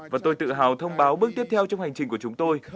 và tôi tự hào thông báo bước tiếp theo trong hành trình của chúng tôi